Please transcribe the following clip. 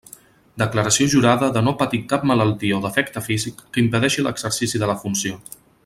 Declaració jurada de no patir cap malaltia o defecte físic que impedeixi l'exercici de la funció.